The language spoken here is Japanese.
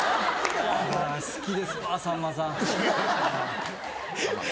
好きですわさんまさん。ハハハ。